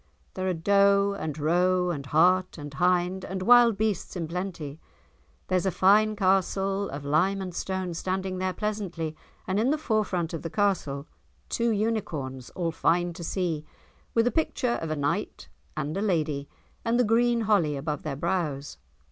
There are doe and roe and hart and hind and wild beasts in plenty; there's a fine castle of lime and stone standing there pleasantly, and in the forefront of the castle two unicorns all fine to see, with a picture of a knight and a lady, and the green holly above their brows.